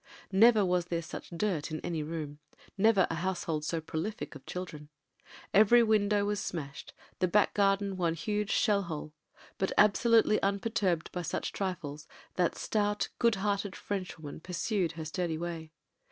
Never was there such dirt in any room ; never a household so prolific of children. Every window was smashed; the back garden one huge shell hole; but, absolutely unperturbed by such trifles, that stout, good hearted Frenchwoman pur sued her sturdy way.